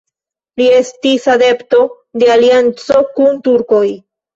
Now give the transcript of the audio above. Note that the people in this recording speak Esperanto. Li estis adepto de alianco kun turkoj.